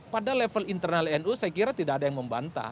pada level internal nu saya kira tidak ada yang membantah